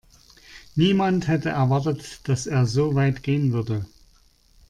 Niemand hätte erwartet, dass er so weit gehen würde.